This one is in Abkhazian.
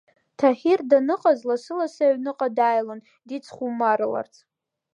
Таҳир даныҟаз лассы-лассы аҩныҟа даилон дицхумарларц.